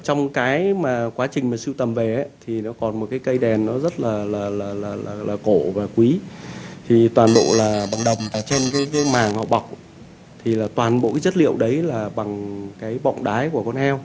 trong cái mà quá trình mà sưu tầm về ấy thì nó còn một cái cây đèn nó rất là cổ và quý thì toàn bộ là bằng đồng ở trên cái màng hoặc bọc thì là toàn bộ cái chất liệu đấy là bằng cái bọng đái của con heo